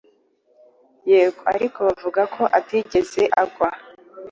Yego, ariko bavuga ko atigeze agwa.